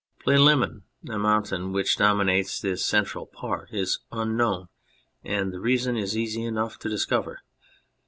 Plinlimmon, the mountain which dominates this central part, is unknown, and the reason is easy enough to discover.